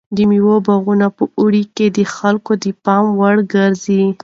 د مېوې باغونه په اوړي کې د خلکو د پام وړ ګرځي.